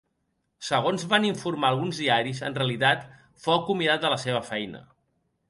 Segons van informar alguns diaris, en realitat fou acomiadat de la seva feina.